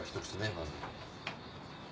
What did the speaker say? まず。